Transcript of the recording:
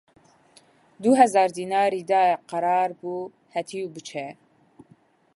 دوو هەزار دیناری دایە و قەرار بوو هەتیو بچێ